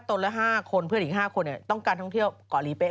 ตนละ๕คนเพื่อนอีก๕คนเนี่ยต้องการท่องเที่ยวก่อหลีเป๊ะ